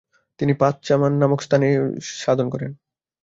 তিনি পাদ-মা-চান নামক স্থানে একাকী সাধন করেন।